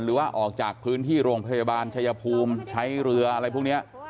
หรือว่าออกจากพื้นที่โรงพยาบาลชายภูมิใช้เรืออะไรพวกนี้